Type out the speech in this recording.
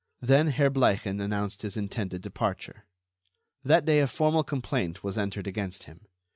Then Herr Bleichen announced his intended departure. That day, a formal complaint was entered against him.